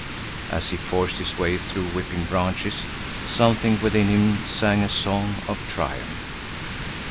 As he forced his way through whipping branches, something within him sang a song of triumph.